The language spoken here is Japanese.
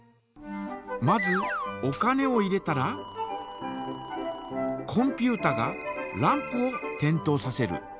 まずお金を入れたらコンピュータがランプを点灯させる。